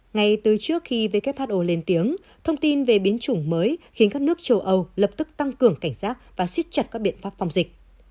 ngay từ trước khi who lên tiếng thông tin về biến chủng mới khiến các nước châu âu lập tức tăng cường cảnh giác và xích chặt các biện pháp phòng dịch